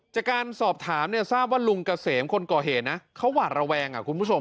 จากการสอบถามเนี่ยทราบว่าลุงเกษมคนก่อเหตุนะเขาหวาดระแวงคุณผู้ชม